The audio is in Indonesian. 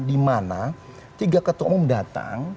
dimana tiga ketua umum datang